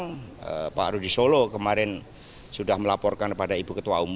hari ini di pdp